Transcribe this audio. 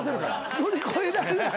乗り越えられない。